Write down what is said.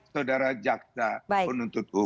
saudara jaksa penuntut umum